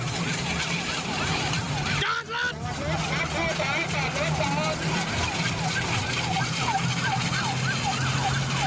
ส่วนทิศครับที่ใจจอดรถจอด